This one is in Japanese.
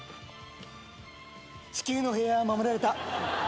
地球の平和は守られた。